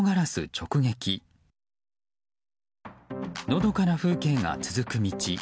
のどかな風景が続く道。